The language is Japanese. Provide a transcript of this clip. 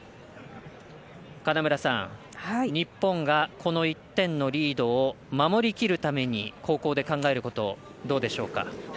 金村さん、日本がこの１点のリードを守りきるために後攻で考えることどうでしょうか？